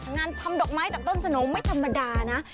ทำดอกไม้จากต้นสโนไม่ธรรมดานะ